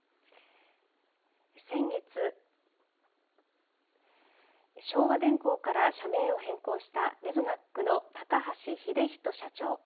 先月昭和電工から社名を変更したレゾナックの高橋秀仁社長。